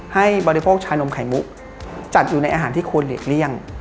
บริโภคชานมไข่มุกจัดอยู่ในอาหารที่ควรหลีกเลี่ยง